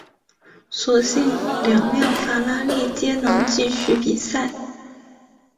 所幸两辆法拉利皆能继续比赛。